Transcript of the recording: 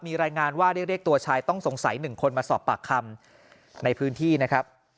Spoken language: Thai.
มีรายงานว่าได้เรียกตัวชายต้องสงสัย๑คนมาสอบปากคำในพื้นที่นะครับ